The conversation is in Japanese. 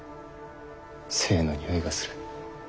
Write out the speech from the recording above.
生のにおいがする。